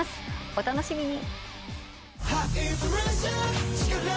お楽しみに。